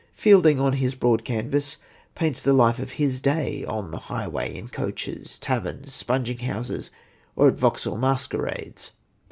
Fielding, on his broad canvas, paints the life of his day on the highway, in coaches, taverns, sponging houses or at Vauxhall masquerades.